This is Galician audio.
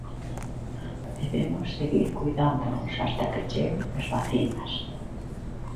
Debemos seguir coidándonos ata que cheguen as vacinas.